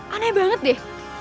aneh banget deh